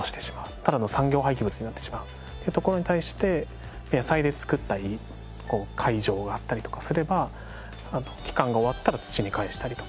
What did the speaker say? ただの産業廃棄物になってしまうっていうところに対して野菜で造った会場があったりとかすれば期間が終わったら土にかえしたりとか。